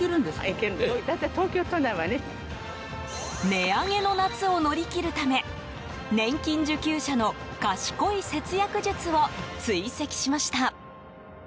値上げの夏を乗り切るため年金受給者の賢い節約術を追跡しました。